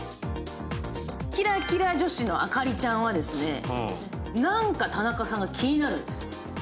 キラキラ女子の朱里ちゃんは、何か田中さんが気になるんです。